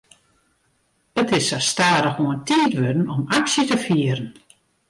It is sa stadichoan tiid wurden om aksje te fieren.